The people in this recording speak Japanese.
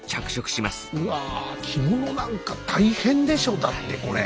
うわ着物なんか大変でしょだってこれ。